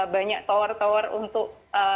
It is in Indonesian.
banyak tower tower untuk